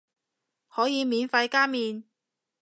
可以免費加麵